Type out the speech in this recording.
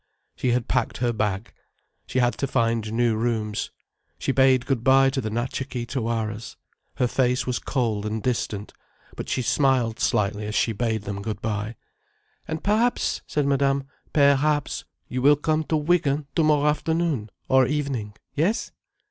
She had packed her bag. She had to find new rooms. She bade good bye to the Natcha Kee Tawaras. Her face was cold and distant, but she smiled slightly as she bade them good bye. "And perhaps," said Madame, "per haps you will come to Wigan tomorrow afternoon—or evening? Yes?"